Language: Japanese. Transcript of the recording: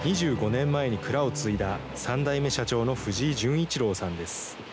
２５年前に蔵を継いだ、３代目社長の藤居淳一郎さんです。